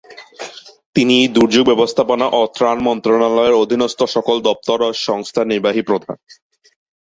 তিনি দুর্যোগ ব্যবস্থাপনা ও ত্রাণ মন্ত্রণালয়ের অধীনস্থ সকল দপ্তর ও সংস্থার নির্বাহী প্রধান।